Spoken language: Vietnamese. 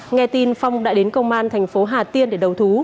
nghe tin phong đã đến công an thành phố hà tiên để đầu thú